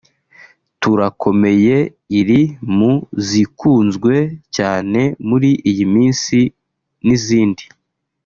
Turakomeye’ iri mu zikunzwe cyane muri iyi minsi n’izindi